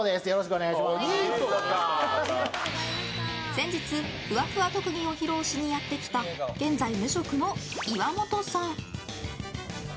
先日、ふわふわ特技を披露しにやってきた現在無職の岩本さん。